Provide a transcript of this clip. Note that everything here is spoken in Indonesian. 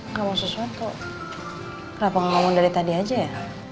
ngomong sesuatu kenapa ngomong dari tadi aja ya